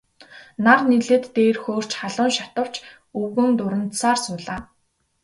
Нар нэлээд дээр хөөрч халуун шатавч өвгөн дурандсаар суулаа.